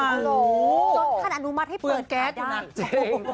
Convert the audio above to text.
จนท่านอนุมัติให้เปิดขาดได้